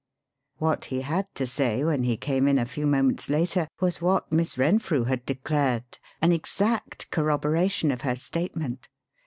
What he had to say when he came in a few moments later was what Miss Renfrew had declared an exact corroboration of her statement.